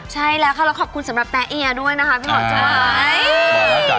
ใช่แล้วค่ะแล้วขอบคุณสำหรับแปลอียด้วยนะคะ